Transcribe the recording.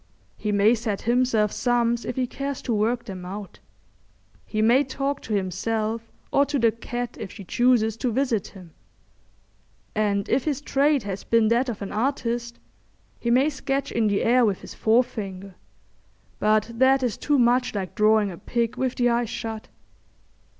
He may set himself sums if he cares to work them out; he may talk to himself or to the cat if she chooses to visit him; and if his trade has been that of an artist, he may sketch in the air with his forefinger; but that is too much like drawing a pig with the eyes shut.